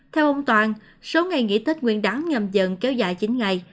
theo ông toàn số ngày nghỉ tết nguyên đán nhầm dần kéo dài chín ngày